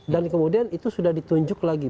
dan kemudian itu sudah ditunjuk lagi